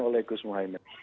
oleh gus muhaymin